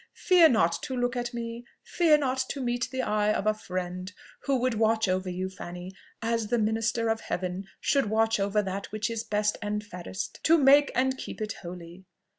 fear not to look at me fear not to meet the eye of a friend, who would watch over you, Fanny, as the minister of Heaven should watch over that which is best and fairest, to make and keep it holy.